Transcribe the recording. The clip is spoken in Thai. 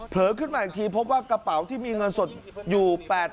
ขึ้นมาอีกทีพบว่ากระเป๋าที่มีเงินสดอยู่